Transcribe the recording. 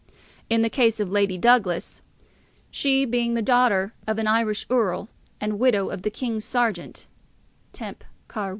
In the case of Lady Douglas, she being the daughter of an Irish Earl and widow of the King's Sergeant (temp. Car.